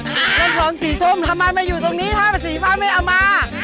เอ้าเนี่งส่อนสีส้มทำไม่อยู่ตรงนี้ถ้าสีฟ้าไม่เอามา